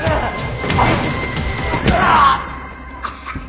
あっ。